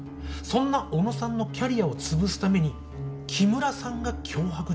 そんな小野さんのキャリアをつぶすために木村さんが脅迫状を送りつけた。